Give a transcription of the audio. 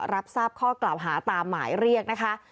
รับทราบข้อกล่าวหาตามหมายเรียกนะคะ